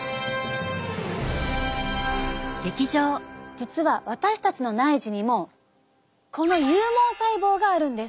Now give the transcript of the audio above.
実は私たちの内耳にもこの有毛細胞があるんです。